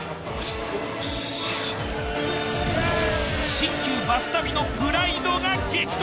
新旧バス旅のプライドが激突！